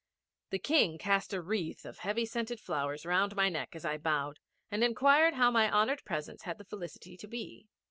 The King cast a wreath of heavy scented flowers round my neck as I bowed, and inquired how my honoured presence had the felicity to be.